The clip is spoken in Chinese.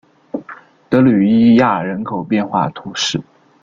德吕伊亚人口变化图示